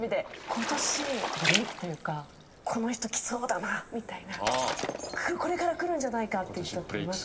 今年ブレイクというか「この人来そうだな」みたいな「これから来るんじゃないか」っていう人っていますか？